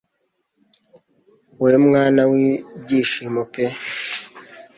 Wowe mwana wibyishimo pe